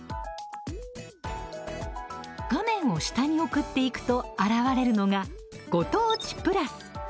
画面を下に送っていくと現れるのが「ご当地プラス」。